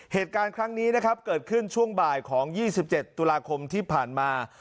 เหตุการณ์ครั้งนี้นะครับเกิดขึ้นช่วงบ่ายของ๒๗ตุลาคมที่ผ่านมา